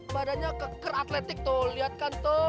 badannya keker atletik tuh lihat kan